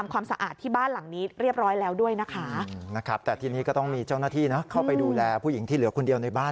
แต่ทีนี้ก็ต้องมีเจ้าหน้าที่นะเข้าไปดูแลผู้หญิงที่เหลือคนเดียวในบ้าน